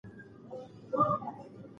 ایا د کوڅې ونې به په پسرلي کې بیا شنې شي؟